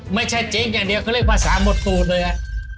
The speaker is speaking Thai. ไม่ใช่จริงอย่างเดียวเขาเรียกภาษาหมดตูดเลยอะ